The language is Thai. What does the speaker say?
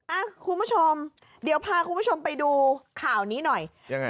อ่ะคุณผู้ชมเดี๋ยวพาคุณผู้ชมไปดูข่าวนี้หน่อยยังไง